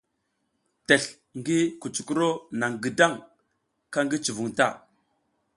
Tesl ngi kucukuro naƞ gidang ka ki cuvun ta.